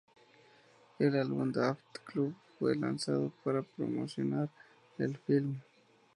El álbum "Daft Club" fue lanzado para promocionar el film.